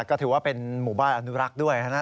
ก็ถือว่าเป็นหมู่บ้านอนุรักษ์ด้วยนะครับ